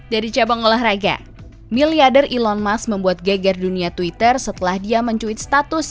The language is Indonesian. dari cabang olahraga miliarder elon musk membuat geger dunia twitter setelah dia mencuit status